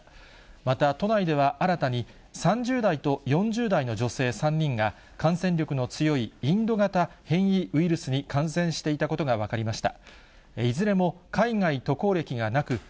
また都内では、新たに３０代と４０代の女性３人が、感染力の強いインド型変異ウイルスに感染していたことが分かりました。